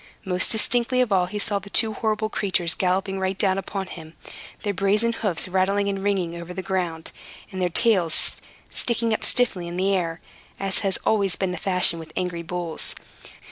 Most distinctly of all he saw the two horrible creatures galloping right down upon him, their brazen hoofs rattling and ringing over the ground, and their tails sticking up stiffly into the air, as has always been the fashion with angry bulls.